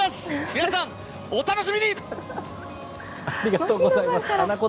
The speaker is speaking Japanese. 皆さん、お楽しみに！